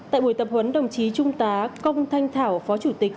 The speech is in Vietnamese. tại buổi tập huấn đồng chí trung tá công thanh thảo phó chủ tịch